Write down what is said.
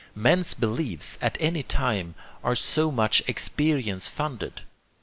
Men's beliefs at any time are so much experience funded.